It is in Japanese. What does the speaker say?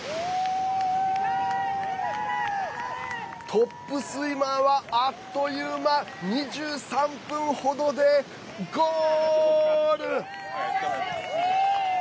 トップスイマーはあっという間２３分程でゴール。